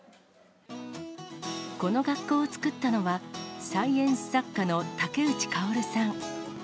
この学校を作ったのは、サイエンス作家の竹内薫さん。